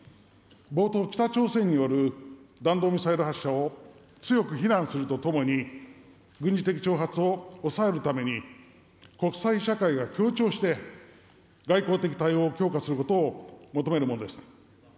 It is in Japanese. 冒頭、北朝鮮による弾道ミサイル発射を強く非難するとともに、軍事的挑発を抑えるために、国際社会が協調して、外交的対応を強化することを求めるものです。